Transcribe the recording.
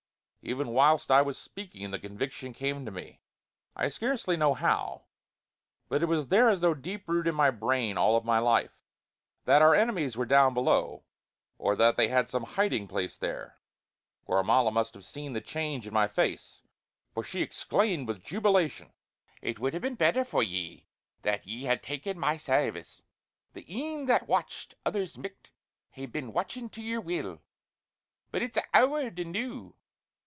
even whilst I was speaking the conviction came to me I scarcely know how, but it was there as though deep rooted in my brain all my life that our enemies were down below, or that they had some hiding place there. Gormala must have seen the change in my face, for she exclaimed with jubilation: "It would hae been better for ye that ye had taken my sairvice. The een that watched others micht hae been watchin' to yer will. But it's a' ower the noo.